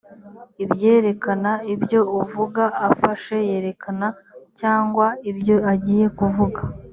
ibyerekana ibyo uvuga afashe yerekana cyangwa ibyo agiye kuvuga